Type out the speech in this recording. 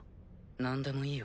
なんでもいいよ。